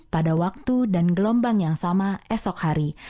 pada waktu dan gelombang yang sama esok hari